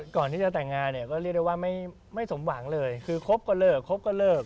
ก่อนที่จะแต่งงานเนี่ยก็เรียกได้ว่าไม่สมหวังเลยคือครบก็เลิกครบก็เลิก